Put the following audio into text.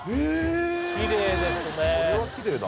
きれいですねへえ